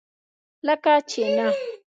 لکه چینۀ!